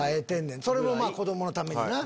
それも子供のためにな。